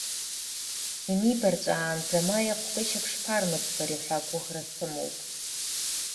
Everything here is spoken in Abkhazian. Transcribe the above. Инибарҵәаанӡа ма еиҟәкышьак шԥармыӡбари ҳәа агәыӷра сымоуп.